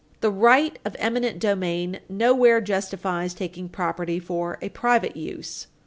The right of eminent domain nowhere justifies taking property for a private use.